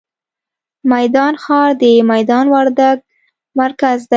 میدان ښار، د میدان وردګ مرکز دی.